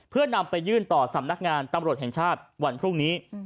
เพื่อนำไปยื่นต่อสำนักงานตำรวจแห่งชาติวันพรุ่งนี้